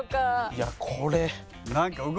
いやこれ。